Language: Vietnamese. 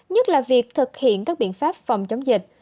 nhất là việc thực hiện các biện pháp phòng chống dịch